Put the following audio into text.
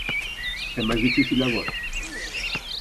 É máis difícil agora?